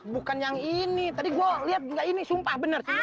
bukan yang ini tadi gua lihat juga ini sumpah bener